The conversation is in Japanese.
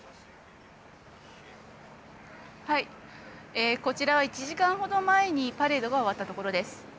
はい、こちらは１時間ほど前にパレードが終わったところです。